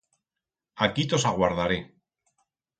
Aquí tos aguardaré.